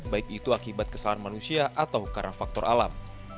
baik itu akibat kesalahan manusia atau karena faktor alam